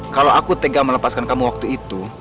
kalau aku tega melepaskan kamu waktu itu